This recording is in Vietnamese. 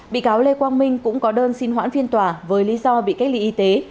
bị cáo lê quang minh cũng có đơn xin hoãn phiên tòa với lý do bị cách ly y tế